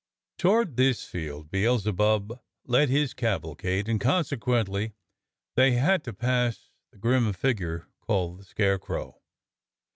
Toward this field Beelzebub led his cavalcade, and consequently they had to pass the grim figure called the Scarecrow.